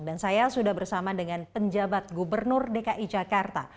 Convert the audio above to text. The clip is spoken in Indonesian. dan saya sudah bersama dengan penjabat gubernur dki jakarta